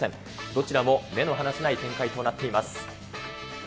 どちらも目の離せない展開となっています。